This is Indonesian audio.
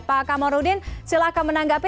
pak kamarudin silahkan menanggapi